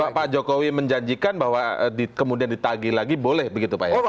pak jokowi menjanjikan bahwa kemudian ditagi lagi boleh begitu pak ya